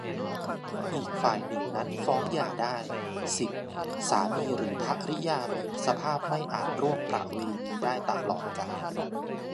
อีกฝ่ายหนึ่งนั้นฟ้องหย่าได้ สิบ สามีหรือภริยามีสภาพไม่อาจร่วมประเวณีได้ตลอดกาล